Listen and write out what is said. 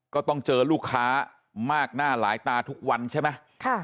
ก็ต้องเจอลูกค้ามากหน้าหลายตาทุกวันใช่ไหม